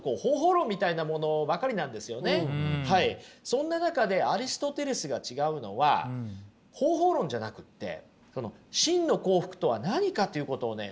そんな中でアリストテレスが違うのは方法論じゃなくってその真の幸福とは何かっていうことをね